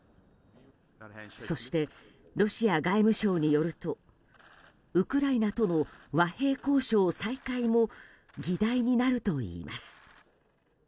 そしてロシア外務省によるとウクライナとの和平交渉再開も議題になるといいます。